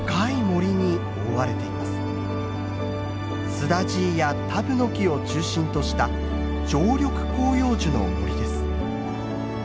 スダジイやタブノキを中心とした常緑広葉樹の森です。